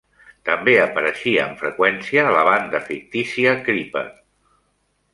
També apareixia amb freqüència la banda fictícia Creeper.